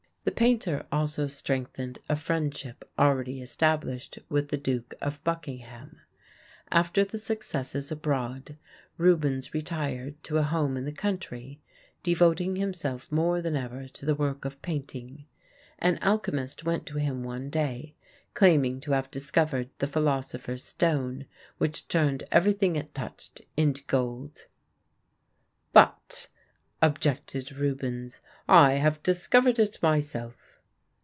The painter also strengthened a friendship already established with the Duke of Buckingham. After the successes abroad Rubens retired to a home in the country, devoting himself more than ever to the work of painting. An alchemist went to him one day, claiming to have discovered the philosopher's stone, which turned everything it touched into gold. "But," objected Rubens, "I have discovered it myself."